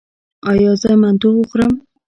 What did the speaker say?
ایا زه منتو وخورم؟